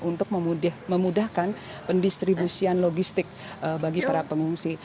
untuk memudahkan pendistribusian logistik bagi para pengungsi